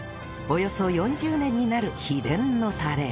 およそ４０年になる秘伝のタレ